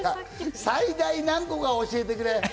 最大何個か教えてくれ。